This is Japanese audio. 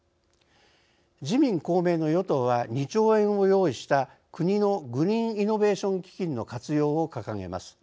自民・公明の与党は２兆円を用意した国の「グリーンイノベーション基金」の活用を掲げます。